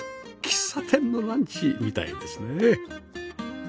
喫茶店のランチみたいですね